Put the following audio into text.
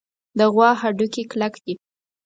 د غوا هډوکي کلک دي.